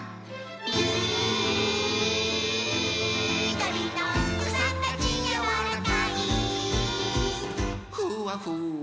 「みーーーどりのくさたちやわらかい」「ふわふわ」